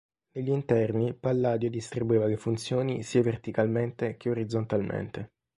Negli interni Palladio distribuiva le funzioni sia verticalmente che orizzontalmente.